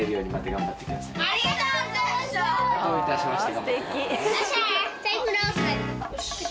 どういたしまして。